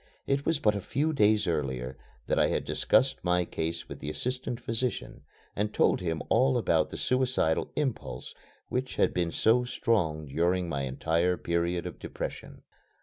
It was but a few days earlier that I had discussed my case with the assistant physician and told him all about the suicidal impulse which had been so strong during my entire period of depression.